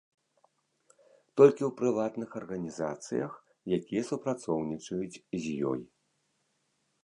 Толькі ў прыватных арганізацыях, якія супрацоўнічаюць з ёй.